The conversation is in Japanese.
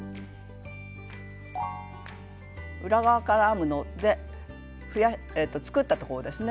裏側から編むので作ったところですね